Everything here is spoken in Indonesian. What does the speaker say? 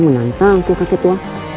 menantangku kakek tua